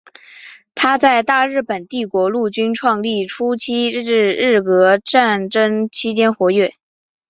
他在大日本帝国陆军创立初期至日俄战争期间活跃。